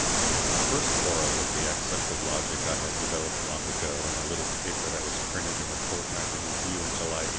My first quarrel with the accepted logic I developed long ago in a little paper that was printed in the Fortnightly Review in July 1891.